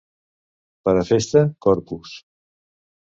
Per a festa, Corpus!